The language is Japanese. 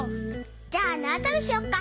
じゃあなわとびしよっか。